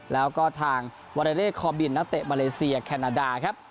แล้วก็ทางวาเลเลคอบินนักเตะมาเลเซียแคนาดาครับ